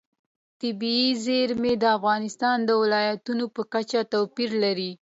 طبیعي زیرمې د افغانستان د ولایاتو په کچه توپیر لري.